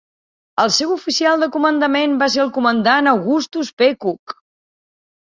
El seu oficial de comandament va ser el comandant Augustus P. Cooke.